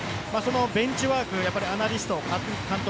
ベンチワークがアナリスト、監督